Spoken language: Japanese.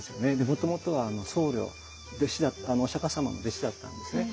もともとは僧侶お釈様の弟子だったんですね。